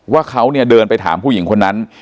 ว่าเขาเนี่ยเดินไปถามผู้หญิงคนนั้น